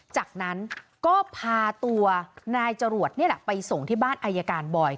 จากนั้นก็พาตัวนายจรวดนี่แหละไปส่งที่บ้านอายการบอย